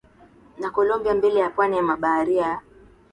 na Kolombia Mbele ya pwani ya Bahari ya